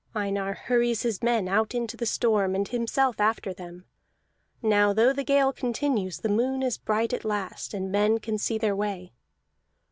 Einar hurries his men out into the storm, and himself after them. Now though the gale continues the moon is bright at last, and men can see their way.